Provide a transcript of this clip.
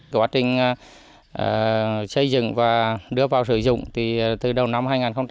quá trình xây dựng và đưa vào sử dụng thì từ đầu năm hai nghìn một mươi tám